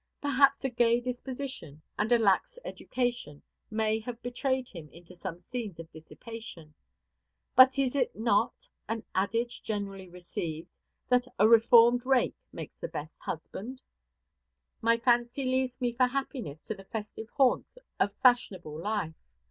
Perhaps a gay disposition and a lax education may have betrayed him into some scenes of dissipation. But is it not an adage generally received, that "a reformed rake makes the best husband"? My fancy leads me for happiness to the festive haunts of fashionable life.